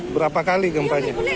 berapa kali gempanya